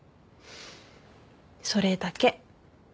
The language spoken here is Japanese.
それだけ。